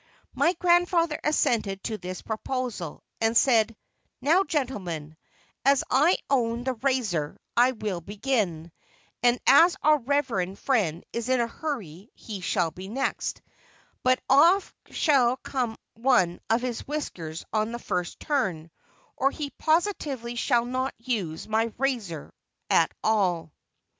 My grandfather assented to this proposal, and said: "Now, gentlemen, as I own the razor, I will begin, and as our reverend friend is in a hurry he shall be next but off shall come one of his whiskers on the first turn, or he positively shall not use my razor at all."